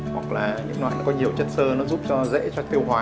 hoặc là những loại có nhiều chất xơ nó giúp cho dễ cho tiêu hóa